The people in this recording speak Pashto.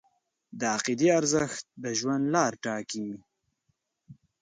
د عقیدې ارزښت د ژوند لار ټاکي.